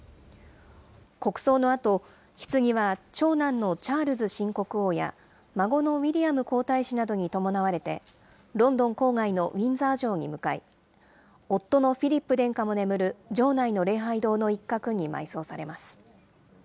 国葬のあと、ひつぎは長男のチャールズ新国王や、孫のウィリアム皇太子などに伴われて、ロンドン郊外のウィンザー城に向かい、夫のフィリップ殿下も眠る城内の礼拝堂の一角に埋葬されます。